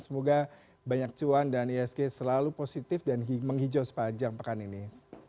semoga banyak cuan dan isg selalu positif dan menghijau sepanjang pekan ini